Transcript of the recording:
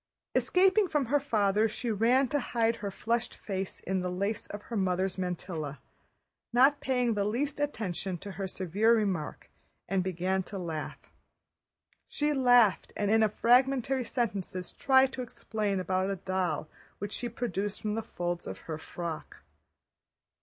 Escaping from her father she ran to hide her flushed face in the lace of her mother's mantilla—not paying the least attention to her severe remark—and began to laugh. She laughed, and in fragmentary sentences tried to explain about a doll which she produced from the folds of her frock.